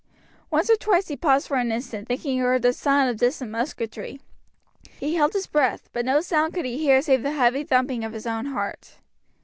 Once or twice he paused for an instant, thinking he heard the sound of distant musketry. He held his breath, but no sound could he hear save the heavy thumping of his own heart.